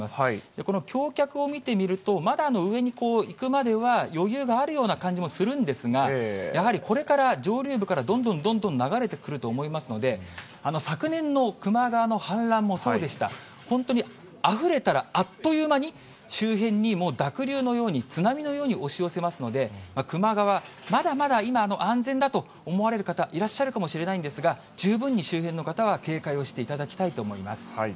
この橋脚を見てみると、まだ上に行くまでは余裕があるような感じがするんですが、やはりこれから上流部から、どんどんどんどん流れてくると思いますので、昨年の球磨川の氾濫もそうでした、本当にあふれたら、あっという間に周辺に、もう濁流のように津波のように押し寄せますので、球磨川、まだまだ今、安全だと思われる方、いらっしゃるかもしれないですが、十分に周辺の方は警戒をしていただきたいと思います。